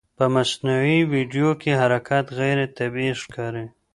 په مصنوعي ویډیو کې حرکت غیر طبیعي ښکاري.